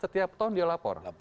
setiap tahun dia lapor